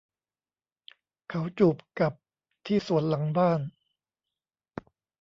เขาจูบกับที่สวนหลังบ้าน